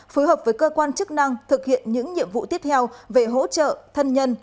phối hợp với cơ quan chức năng thực hiện những nhiệm vụ tiếp theo về hỗ trợ thân nhân